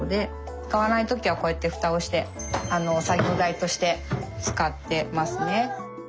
使わない時はこうやって蓋をして作業台として使ってますね。